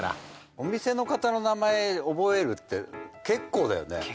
お店の方の名前覚えるって結構だよね。